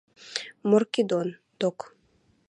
Морки док